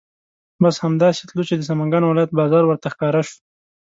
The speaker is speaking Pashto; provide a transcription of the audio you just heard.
بس همدا سې تلو چې د سمنګانو ولایت بازار ورته ښکاره شو.